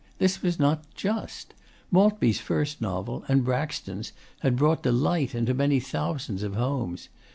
This was not just. Maltby's first novel, and Braxton's, had brought delight into many thousands of homes.